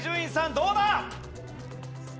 どうだ？